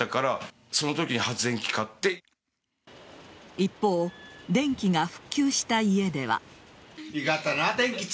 一方、電気が復旧した家では。